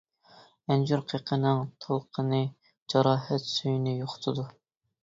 ئەنجۈر قېقىنىڭ تالقىنى جاراھەت سۈيىنى يوقىتىدۇ.